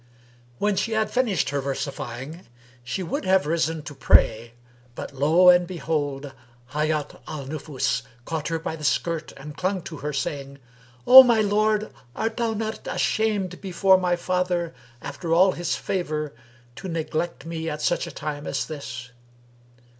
When she had finished her versifying, she would have risen to pray, but, lo and behold! Hayat al Nufus caught her by the skirt and clung to her saying, "O my lord, art thou not ashamed before my father, after all his favour, to neglect me at such a time as this?"